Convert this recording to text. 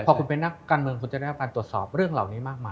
พอคุณเป็นนักการเมืองคุณจะได้รับการตรวจสอบเรื่องเหล่านี้มากมาย